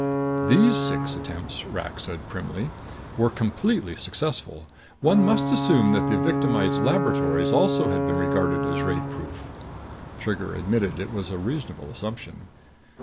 "These six attempts," Rak said primly, "were completely successful. One must assume that the victimized laboratories also had been regarded as raidproof." Trigger admitted it was a reasonable assumption.